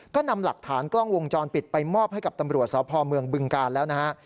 ก็นำหลักฐานกล้องวงจรปิดไปมอบให้กับตำรวจสพเมืองบึงกาลแล้วนะฮะ